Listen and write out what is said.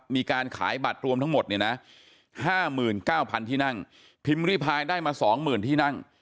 มีการขายบัตรรวมทั้งหมด๕๙๐๐๐ที่นั่งพิมพ์รีไพรได้มา๒๐๐๐๐ที่นั่ง